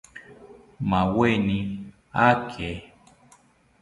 Maaweni aake